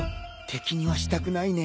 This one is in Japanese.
敵にはしたくないね。